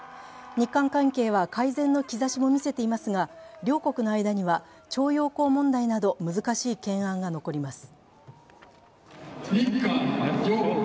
日韓関係は改善の兆しも見せていますが、両国の間には徴用工問題など難しい懸案が残ります。